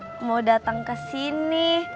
mbak rika mau datang ke sini